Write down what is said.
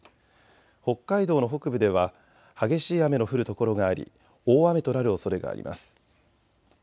北海道の北部では激しい雨の降る所があり大雨となるおそれがあります。